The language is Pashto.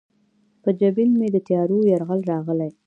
په جبین مې د تیارو یرغل راغلی